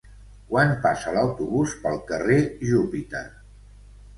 Quan passa l'autobús pel carrer Júpiter?